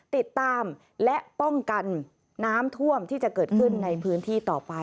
ติดตามและป้องกันน้ำท่วมที่จะเกิดขึ้นในพื้นที่ต่อไป